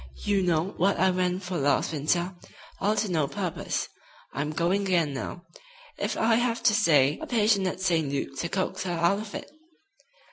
You know what I went for last winter, all to no purpose. I'm going again now, if I have to stay a patient at St. Luke's to coax her out of it."